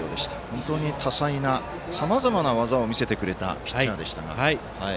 本当に多彩な、さまざまな技を見せてくれたピッチャーでした。